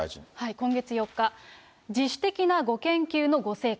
今月４日、自主的なご研究のご成果。